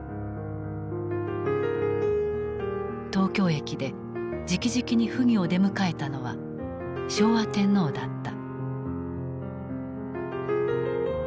東京駅でじきじきに溥儀を出迎えたのは昭和天皇だった。